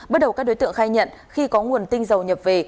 bước đầu các đối tượng khai nhận khi có nguồn tinh dầu nhập về